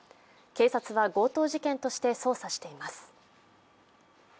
警察は強盗事件として捜査しています。